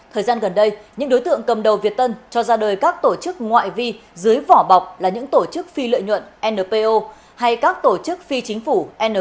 thời gian gần đây những đối tượng cầm đầu việt tân cho ra đời các tổ chức ngoại vi dưới vỏ bọc là những tổ chức phi lợi nhuận npo hay các tổ chức phi chính phủ